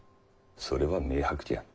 それは明白じゃ。